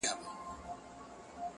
ته مجبور یې چي همدا درېو ورځو کي